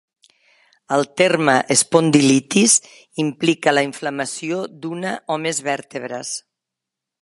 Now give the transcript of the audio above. El terme espondilitis implica la inflamació d'una o més vèrtebres.